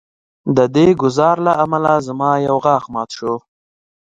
د دې ګزار له امله زما یو غاښ مات شو